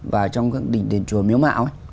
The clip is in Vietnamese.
vào trong các đỉnh đền chùa miếu mạo